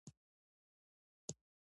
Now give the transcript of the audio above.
هغه خلک مطالعې ته هڅول.